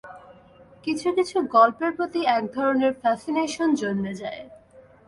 কিছু-কিছু গল্পের প্রতি একধরনের ফ্যাসিনেশন জন্মে যায়।